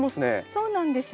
そうなんです。